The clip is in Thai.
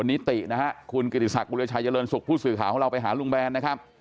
วันนี้ตินะฮะคุณกิติศักดิรชัยเจริญสุขผู้สื่อข่าวของเราไปหาลุงแบนนะครับ